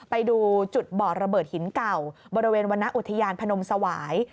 ไปดูจุดบ่อระเบิดหินเก่าบริเวณวรรณอุทยานพนมสวาย